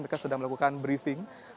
mereka sedang melakukan briefing